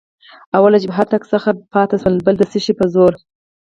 او له جبهې تګ څخه پاتې شوې، بل د څه شي په زور؟